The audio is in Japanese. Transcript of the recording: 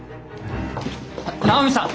直美さん！